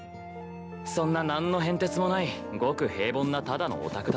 そんな何の変哲もないごく平凡なただのオタクだった。